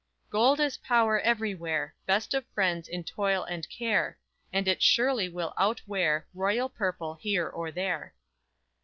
_Gold is power everywhere; Best of friends in toil and care; And it surely will outwear Royal purple here or there!